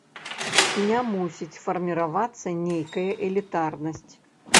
Не мусіць фарміравацца нейкая элітарнасць.